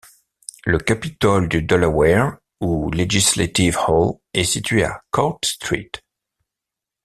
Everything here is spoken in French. Le capitole du Delaware, ou Legislative Hall, est situé à Court Street.